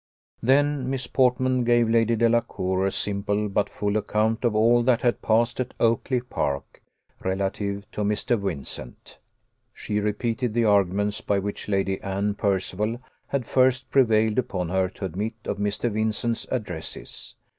Then Miss Portman gave Lady Delacour a simple but full account of all that had passed at Oakly park relative to Mr. Vincent. She repeated the arguments by which Lady Anne Percival had first prevailed upon her to admit of Mr. Vincent's addresses.